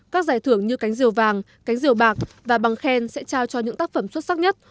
các giải thưởng như cánh diều vàng cánh diều bạc và bằng khen sẽ trao cho những tác phẩm xuất sắc nhất